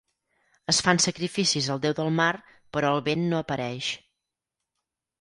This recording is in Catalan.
Es fan sacrificis al Déu del mar, però el vent no apareix.